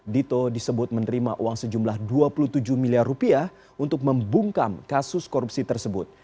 dito disebut menerima uang sejumlah dua puluh tujuh miliar rupiah untuk membungkam kasus korupsi tersebut